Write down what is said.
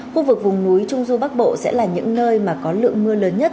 khu vực vùng núi trung du bắc bộ sẽ là những nơi mà có lượng mưa lớn nhất